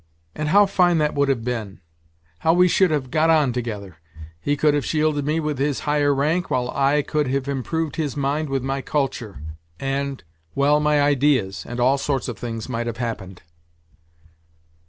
And how fine that would have been ! How we should have got on together !" He could have shielded me with his higher rank, while I could have improved his mind with my culture, and, well ... my ideas, and all sorts of things might have happened."